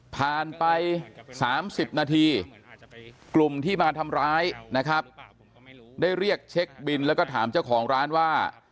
ผ่านไป๓๐นาทีกลุ่มที่มาทำร้ายนะครับได้เรียกเช็คบินแล้วก็ถามเจ้าของร้านว่า